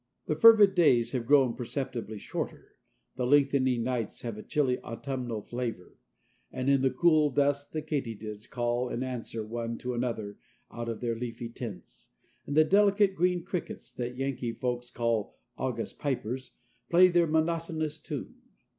The fervid days have grown preceptibly shorter, the lengthening nights have a chilly autumnal flavor, and in the cool dusk the katydids call and answer one to another out of their leafy tents, and the delicate green crickets that Yankee folks call August pipers play their monotonous tune.